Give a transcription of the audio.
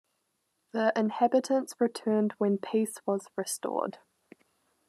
The inhabitants returned when peace was restored.